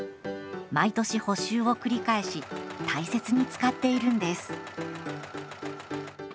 毎年補修を繰り返し大切に使っているんです。